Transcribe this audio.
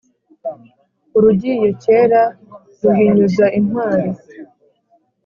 urugiye kera ruhinyuza intwari